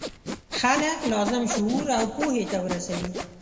خلک لازم شعور او پوهې ته ورسوي.